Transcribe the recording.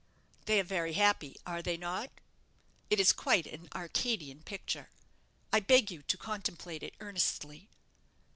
"They are very happy are they not? It is quite an Arcadian picture. I beg you to contemplate it earnestly."